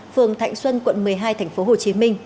phường thạnh xuân quận một mươi hai tp hcm